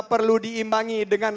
perlu diimbangi dengan